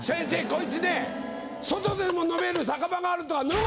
こいつね外でも飲める酒場があるとか。